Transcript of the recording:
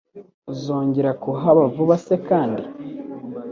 Uzongera kuhaba vuba se kandi